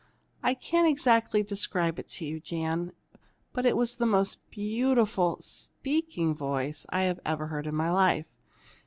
"I can't exactly describe it to you, Jan, but it was the most beautiful speaking voice I've ever heard in my life!